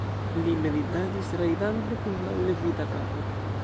li meditadis, rajdante kun mallevita kapo.